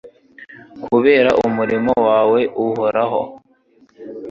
kubera umuririmo wawe Uhoraho